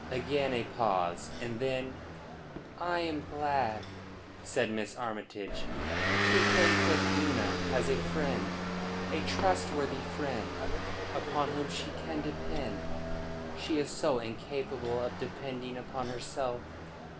Again a pause, and then: "I am glad," said Miss Armytage, "to think that Una has a friend, a trustworthy friend, upon whom she can depend. She is so incapable of depending upon herself.